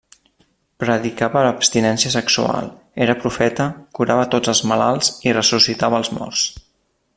Predicava l'abstinència sexual, era profeta, curava tots els malalts i ressuscitava els morts.